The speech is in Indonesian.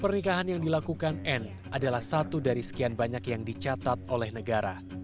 pernikahan yang dilakukan anne adalah satu dari sekian banyak yang dicatat oleh negara